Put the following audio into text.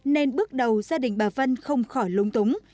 nên bước đầu gia đình bà vân không khỏi lúng túng